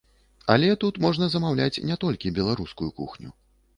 Але тут можна замаўляць не толькі беларускую кухню.